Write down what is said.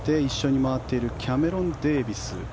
そして一緒に回っているキャメロン・デービス。